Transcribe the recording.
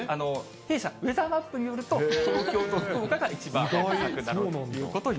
弊社ウェザーマップによると、東京と福岡が一番早く咲くだろうということに。